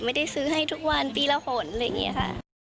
ไม่ได้ซื้อให้ทุกวันปีละหนอะไรอย่างนี้ค่ะ